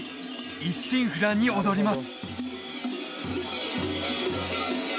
一心不乱に踊ります